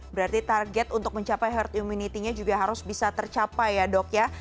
berarti target untuk mencapai herd immunity nya juga harus bisa tercapai ya dok ya